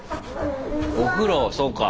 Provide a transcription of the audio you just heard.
お風呂そうか。